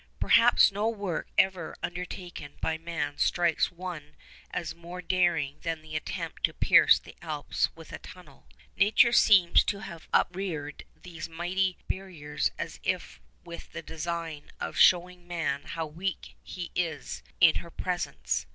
Perhaps no work ever undertaken by man strikes one as more daring than the attempt to pierce the Alps with a tunnel. Nature seems to have upreared these mighty barriers as if with the design of showing man how weak he is in her presence.